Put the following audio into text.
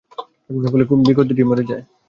ফলে কিবতীটি মারা যায়।